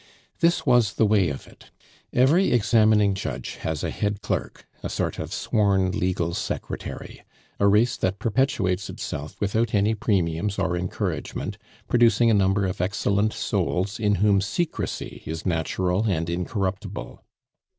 This was the way of it: Every examining judge has a head clerk, a sort of sworn legal secretary a race that perpetuates itself without any premiums or encouragement, producing a number of excellent souls in whom secrecy is natural and incorruptible.